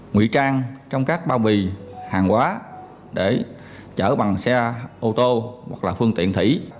ngụy trang trong các bao bì hàng quá để chở bằng xe ô tô hoặc là phương tiện thủy